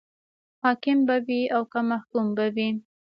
حاکم به وي او که محکوم به وي.